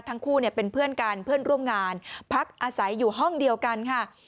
ทั้งคู่เป็นเพื่อนกันเพื่อนร่วมงานพักอาศัยอยู่ห้องเดียวกันค่ะ